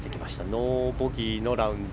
ノーボギーのラウンド。